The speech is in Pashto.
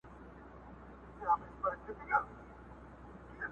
په لار کي مو د اوبو پر غاړه.